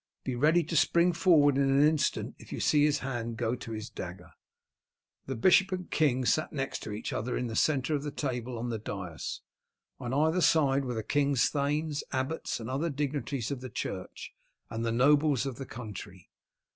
Be ready to spring forward in an instant if you see his hand go to his dagger." The bishop and king sat next to each other in the centre of the table on the dais; on either side were the king's thanes, abbots and other dignitaries of the church, and the nobles of the country.